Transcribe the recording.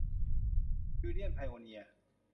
ยูเนี่ยนไพโอเนียร์